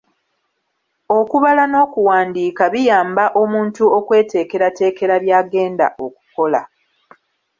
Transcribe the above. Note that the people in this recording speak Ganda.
Okubala n'okuwandika biyamba omuntu okweteekerateekera by'agenda okukola.